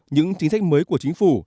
những chính sách mới của chính phủ